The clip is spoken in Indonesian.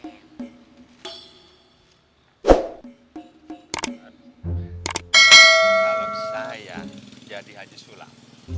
kalau saya jadi haji sulap